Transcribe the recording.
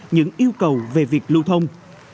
những yêu cầu về việc lưu thông